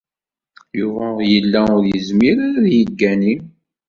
Yuba yella ur yezmir ara ad yeggani.